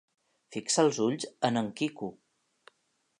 Fixa els ulls en en Quico.